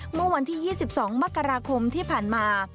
เมื่อวันที่๒๒มกราคมที่ผ่านมา